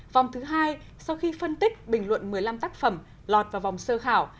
vòng thứ hai sau khi phân tích bình luận một mươi năm tác phẩm lọt vào vòng sơ khảo